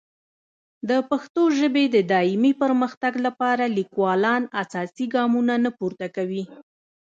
د پښتو ژبې د دایمي پرمختګ لپاره لیکوالان اساسي ګامونه نه پورته کوي.